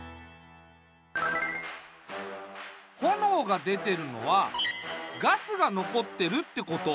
炎がでてるのはガスがのこってるってこと。